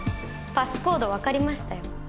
パスコード分かりましたよ。